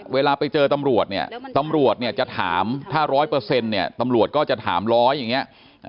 เวลาไปเจอตำรวจเนี่ยตำรวจเนี่ยจะถามถ้า๑๐๐เนี่ยตำรวจก็จะถามร้อยอย่างนี้